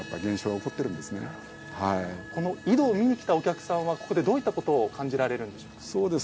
この井戸を見に来たお客さんはどういったことを感じられるんでしょうか？